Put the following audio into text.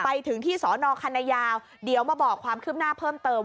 ไปถึงที่สอนอคันนายาวเดี๋ยวมาบอกความคืบหน้าเพิ่มเติม